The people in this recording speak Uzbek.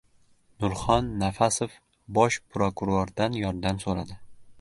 Nurxon Nafasov Bosh prokurordan yordam so‘radi